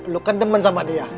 lo kan temen sama dia